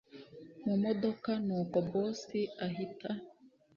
mumodoka nuko boss ahita